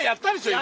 今。